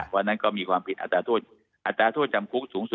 วันนั้นก็มีความผิดอัตราโทษจำคุกสูงสุด